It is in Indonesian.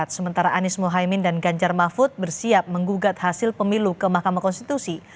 sementara anies mohaimin dan ganjar mahfud bersiap menggugat hasil pemilu ke mahkamah konstitusi